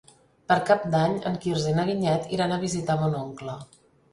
Per Cap d'Any en Quirze i na Vinyet iran a visitar mon oncle.